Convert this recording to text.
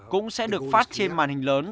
cũng sẽ được phát trên màn hình lớn